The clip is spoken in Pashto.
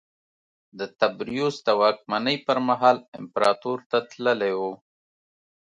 د تبریوس د واکمنۍ پرمهال امپراتور ته تللی و